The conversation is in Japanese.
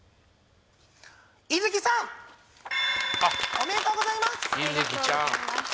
ありがとうございます